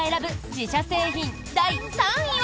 自社製品第３位は。